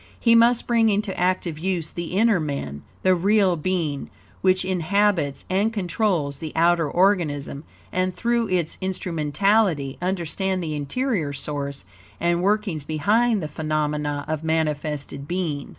He must bring into active use the inner man, the real being, which inhabits and controls the outer organism, and through its instrumentality, understand the interior source and workings behind the phenomena of manifested being.